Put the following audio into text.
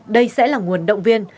đây sẽ là nguồn động viên